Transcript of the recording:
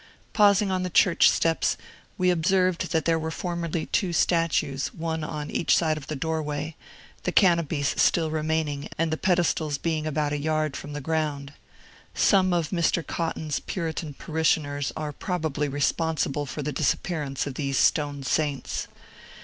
Pausing on the church steps, we observed that there were formerly two statues, one on each side of the doorway; the canopies still remaining and the pedestals being about a yard from the ground. Some of Mr. Cotton's Puritan parishioners are probably responsible for the disappearance of these stone saints.